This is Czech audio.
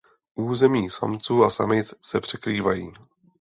Území samců a samic se překrývají.